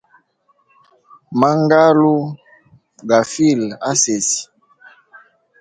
Mangalu, gafile asesi.